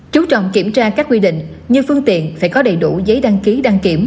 chú trọng kiểm tra các quy định như phương tiện phải có đầy đủ giấy đăng ký đăng kiểm